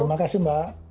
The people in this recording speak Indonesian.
terima kasih mbak